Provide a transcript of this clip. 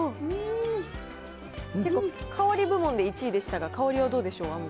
結構、香り部門で１位でしたが、香りはどうでしょう？